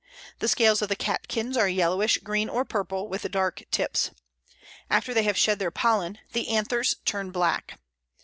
The scales of the catkins are yellowish green or purple, with dark tips. After they have shed their pollen the anthers turn black.